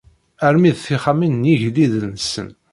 Armi d tixxamin n yigelliden-nsen.